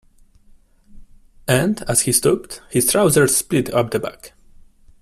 And, as he stooped, his trousers split up the back.